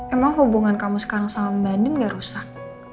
emang hubungan kamu sekarang sama mbak nin gak rusak